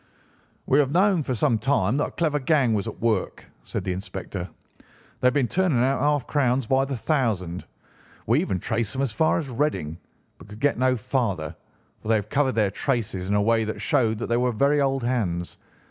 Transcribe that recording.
"We have known for some time that a clever gang was at work," said the inspector. "They have been turning out half crowns by the thousand. We even traced them as far as Reading, but could get no farther, for they had covered their traces in a way that showed that they were very old hands.